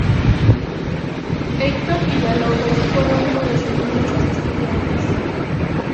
Heitor Villa-Lobos fue uno de sus muchos estudiantes.